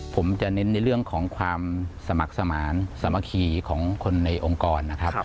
ผมจะเน้นในเรื่องของความสมัครสมานสามัคคีของคนในองค์กรนะครับ